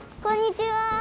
こんにちは。